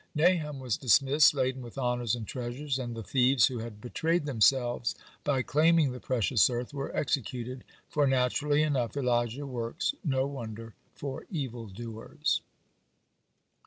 Nahum was dismissed, laden with honors and treasures, and the thieves, who had betrayed themselves by claiming the precious earth, were executed, for, naturally enough, Elijah works no wonder for evil doers.